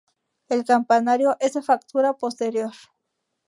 El campanario es de factura posterior.